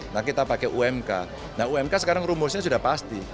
nah kita pakai umk nah umk sekarang rumusnya sudah pasti